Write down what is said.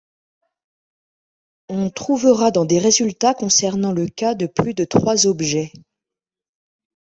On trouvera dans des résultats concernant le cas de plus de trois objets.